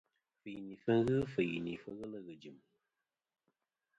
Fɨyinifɨ ghɨ fɨyinìfɨ ghelɨ ghɨ jɨ̀m.